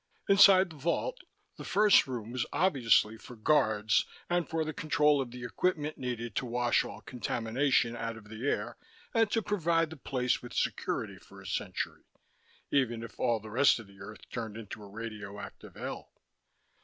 Inside the vault, the first room was obviously for guards and for the control of the equipment needed to wash all contamination out of the air and to provide the place with security for a century, even if all the rest of the Earth turned into a radioactive hell.